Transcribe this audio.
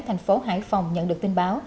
thành phố hải phòng nhận được tin báo